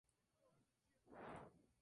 El piloto fue dirigido por el Visitante.